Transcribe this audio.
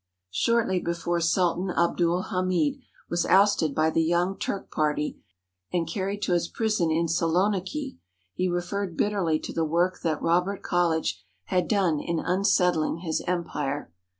Shortly before Sultan Abdul Hamid was ousted by the Young Turk party and carried to his prison in Saloniki, he referred bitterly to the work that Robert College had done in unsettling his empire.